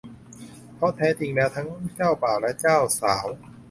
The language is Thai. เพราะแท้จริงแล้วทั้งเจ้าบ่าวและเจ้าสาว